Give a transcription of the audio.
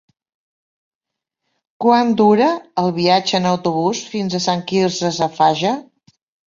Quant dura el viatge en autobús fins a Sant Quirze Safaja?